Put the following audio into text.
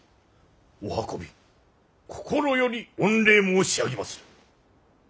お運び心より御礼申し上げまする。